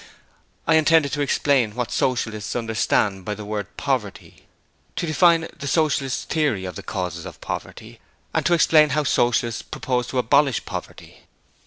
I intended to explain what Socialists understand by the word 'poverty': to define the Socialist theory of the causes of poverty, and to explain how Socialists propose to abolish poverty.